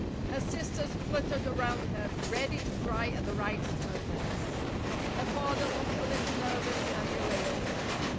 Her sisters fluttered around her, ready to cry at the right moments. Her father looked a little nervous and elated.